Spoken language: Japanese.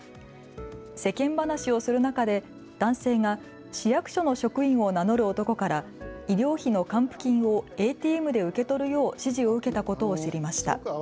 世間話をする中で男性が市役所の職員を名乗る男から医療費の還付金をＡＴＭで受け取るよう指示を受けたことを知りました。